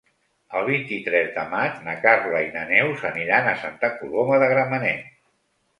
El vint-i-tres de maig na Carla i na Neus aniran a Santa Coloma de Gramenet.